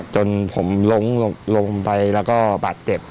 จนผมล้มลงไปแล้วก็บาดเจ็บ